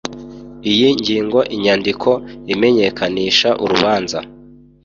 iyi ngingo Inyandiko Imenyekanisha urubanza